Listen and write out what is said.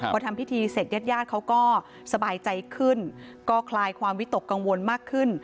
พอทำพิธีเสร็จญาติญาติเขาก็สบายใจขึ้นก็คลายความวิตกกังวลมากขึ้น